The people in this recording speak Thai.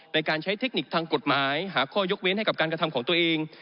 ในการใช้เทคนิคทางกฎหมายหาข้อยกเว้นให้กับการกระทำของตัวเอง